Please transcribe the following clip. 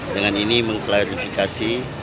dengan ini mengklarifikasi